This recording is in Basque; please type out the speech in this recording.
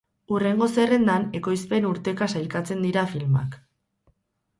Hurrengo zerrendan ekoizpen-urteka sailkatzen dira filmak.